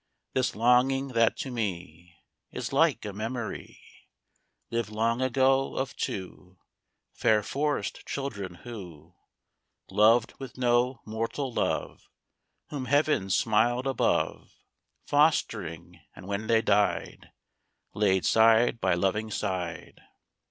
This longing, that to me Is like a memory, Lived long ago, of two Fair forest children who Loved with no mortal love; Whom heaven smiled above, Fostering; and when they died Laid side by loving side.